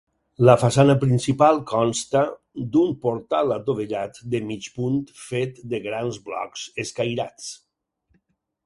La façana principal consta d'un portal adovellat de mig punt fet de grans blocs escairats.